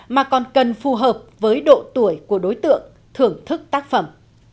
mà còn cần phù hợp với độ tuổi của đối tượng thưởng thức tác phẩm